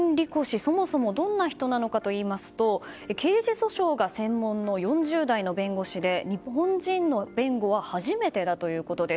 そもそもどんな人なのかといいますと刑事訴訟が専門の４０代の弁護士で日本人の弁護は初めてだということです。